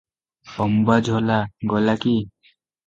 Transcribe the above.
ଅମ୍ବାଝୋଲା ଗଲା କି?